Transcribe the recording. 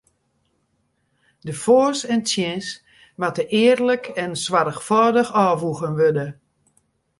De foars en tsjins moatte earlik en soarchfâldich ôfwoegen wurde.